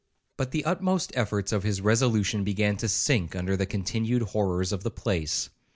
But the utmost efforts of his resolution began to sink under the continued horrors of the place.